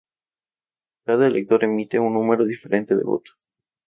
Cada elector emite un número diferente de votos.